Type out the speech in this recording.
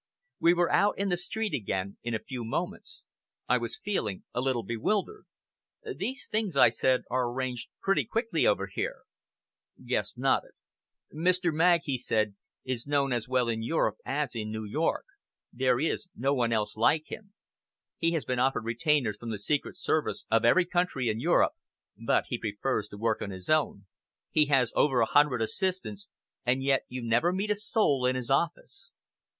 We were out in the street again in a few moments. I was feeling a little bewildered. "These things," I said, "are arranged pretty quickly over here." Guest nodded. "Mr. Magg," he said, "is known as well in Europe as in New York. There is no one else like him. He has been offered retainers from the Secret Service of every country in Europe, but he prefers to work on his own. He has over a hundred assistants, and yet you never meet a soul in his office...."